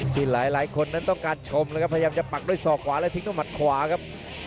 ที่หลายคนนั้นต้องการชมนะครับพยายามจะปักด้วยศอกขวาและทิ้งด้วยหมัดขวาครับ